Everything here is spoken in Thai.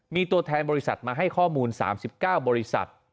มีตัวแทนบริษัทมาให้ข้อมูล๓๙บริษัท